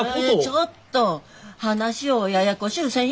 ちょっと話をややこしゅうせんようにしてくれよ。